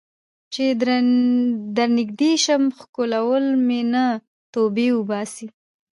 چې درنږدې شم ښکلوې مې نه ، توبې وباسې